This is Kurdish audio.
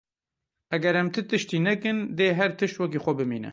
Eger em ti tiştî nekin dê her tişt wekî xwe bimîne.